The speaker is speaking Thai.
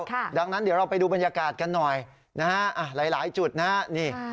ค่ะดังนั้นเดี๋ยวเราไปดูบรรยากาศกันหน่อยนะฮะอ่ะหลายหลายจุดนะฮะนี่